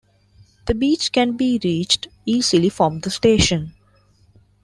The beach can be reached easily from the station.